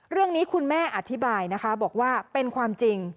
เรื่องนี้คุณแม่อธิบายนะคะบอกว่าเป็นความจริง